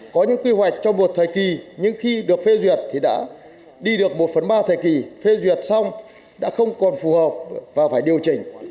có những quy hoạch trong một thời kỳ nhưng khi được phê duyệt thì đã đi được một phần ba thời kỳ phê duyệt xong đã không còn phù hợp và phải điều chỉnh